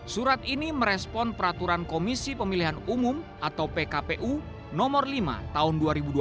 surat ini merespon peraturan komisi pemilihan umum atau pkpu nomor lima tahun dua ribu dua puluh